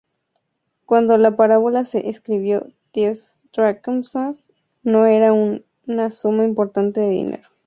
Cuando la parábola se escribió, diez dracmas no era una suma importante de dinero.